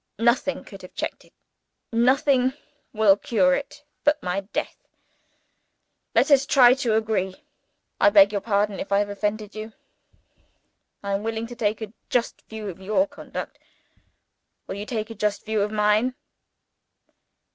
"Nothing could have checked it nothing will cure it but my death. Let us try to agree. I beg your pardon if I have offended you. I am willing to take a just view of your conduct. Will you take a just view of mine?"